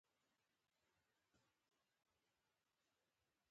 د ځان خلاف د الزامونو دروازې ټک وم